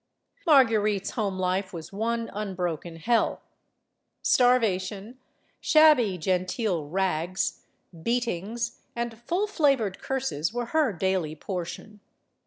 Marguerite's home life was one unbroken hell. Starvation, shabby genteel rags, beatings, and full flavored curses were her daily portion.